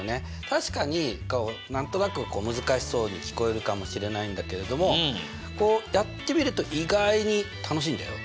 確かに何となく難しそうに聞こえるかもしれないんだけれどもやってみると意外に楽しいんだよ。